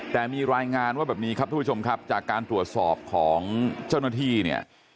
แต่มีรายงานว่าแบบนี้ครับทุกผู้ชมครับจากการตรวจสอบของเจ้าหน้าที่เนี่ย